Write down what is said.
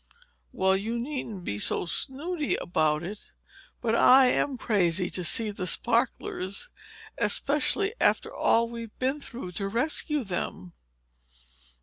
"Well, you needn't be so snooty about it. But I am crazy to see the sparklers—especially after all we've been through to rescue them!"